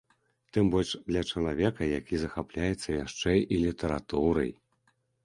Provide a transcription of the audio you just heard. Тым больш для чалавека, які захапляецца яшчэ і літаратурай.